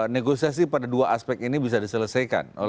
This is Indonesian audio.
negosiasi pada dua aspek ini bisa diselesaikan